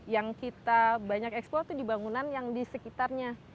yang kita banyak eksplor itu di bangunan yang di sekitarnya